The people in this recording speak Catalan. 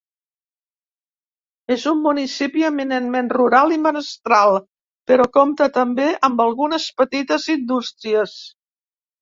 És un municipi eminentment rural i menestral, però compta també amb algunes petites indústries.